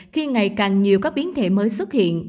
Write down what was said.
khi ngày càng nhiều các biến thể mới xuất hiện